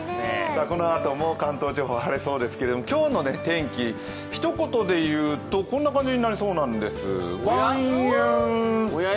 このあとも関東地方は晴れそうですけど今日の天気、ひと言で言うとこうなりそうなんです。